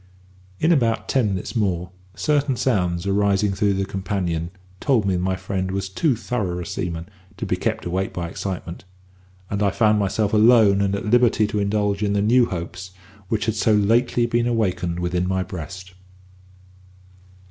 In about ten minutes more, certain sounds arising through the companion told me that my friend was too thorough a seaman to be kept awake by excitement, and I found myself alone and at liberty to indulge in the new hopes which had so lately been awakened within my breast.